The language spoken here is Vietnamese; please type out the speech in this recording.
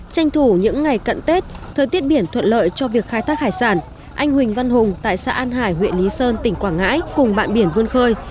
tranh thủ những ngày cận tết thời tiết biển thuận lợi cho việc khai thác hải sản anh huỳnh văn hùng tại xã an hải huyện lý sơn tỉnh quảng ngãi cùng bạn biển vươn khơi